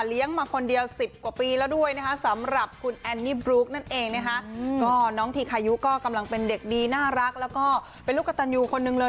เลี้ยงมาคนเดียว๑๐กว่าปีและด้วยซำหรับคนแอนนี่บรุ๊ก